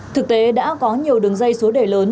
thực tế đã có nhiều đường dây số đề lớn